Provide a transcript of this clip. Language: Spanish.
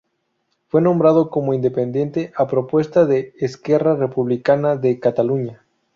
Fue nombrado como independiente a propuesta de Esquerra Republicana de Cataluña.